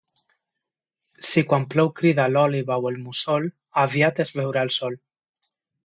Si quan plou crida l'òliba o el mussol, aviat es veurà el sol.